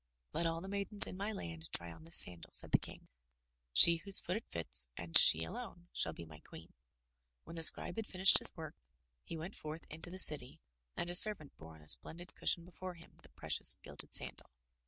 "Let all the maidens in my land try on this sandal," said the King. "She whose foot it fits, and she alone, shall be my queen." When the Scribe had finished his work, he went forth into the city and a servant bore on a splendid cushion before him the precious gilded sandal.